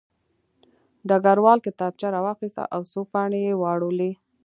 ډګروال کتابچه راواخیسته او څو پاڼې یې واړولې